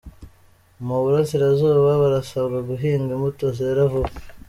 Mu burasirazuba barasabwa guhinga imbuto zera vuba.